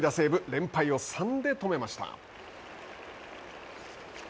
連敗を３で止めました。